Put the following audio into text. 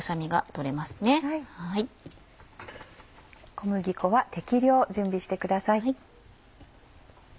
小麦粉は適量準備してください。